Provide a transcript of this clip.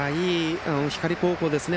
光高校ですね